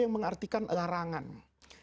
tidak boleh ada paksaan dalam memeluk agama